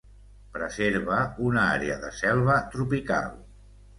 Preserva una àrea de selva tropical.